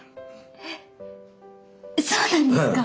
そうなんですか？